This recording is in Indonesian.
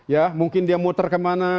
ya mungkin dia muter kemana